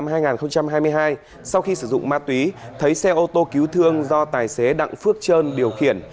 trước đó sáng ngày hai tháng bảy năm hai nghìn hai mươi hai sau khi sử dụng ma túy thấy xe ô tô cứu thương do tài xế đặng phước trơn điều khiển